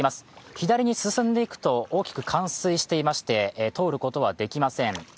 左に進んでいくと、大きく冠水していまして通ることはできません。